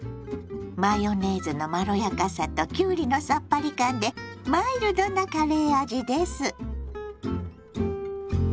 ⁉マヨネーズのまろやかさときゅうりのさっぱり感でマイルドなカレー味です。